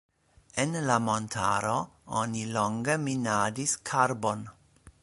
En la montaro oni longe minadis karbon.